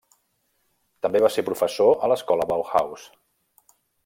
També va ser professor a l'escola Bauhaus.